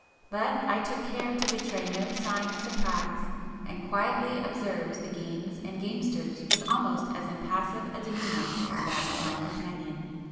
But I took care to betray no sign of surprise, and quietly observed the games and the gamesters with almost as impassive a demeanour as that of my companion.